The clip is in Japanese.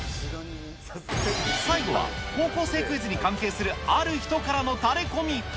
最後は高校生クイズに関係するある人からのタレコミ。